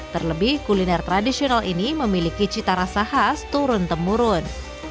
terlebih kuliner tradisional ini memiliki cita rasa khas turun temurun